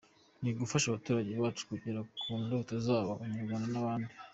Ni ugufasha abaturage bacu kugera ku ndoto zabo, Abanyarwanda n’abandi.